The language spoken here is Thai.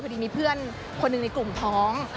พอดีมีเพื่อนคนหนึ่งในกลุ่มท้อง